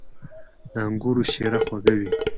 • د انګورو شیره خوږه وي.